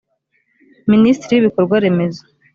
minisitiri w’ibikorwa remezo